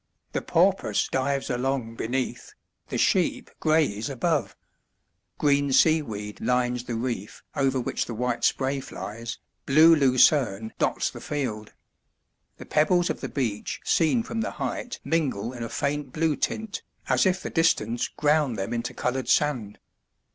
The porpoise dives along beneath, the sheep graze above. Green seaweed lines the reef over which the white spray flies, blue lucerne dots the field. The pebbles of the beach seen from the height mingle in a faint blue tint, as if the distance ground them into coloured sand.